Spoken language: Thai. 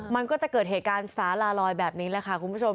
มันก็จะเกิดเหตุการณ์สาลาลอยแบบนี้แหละค่ะคุณผู้ชม